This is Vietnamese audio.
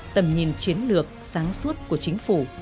tầm nhìn chiến lược sáng suốt của chính phủ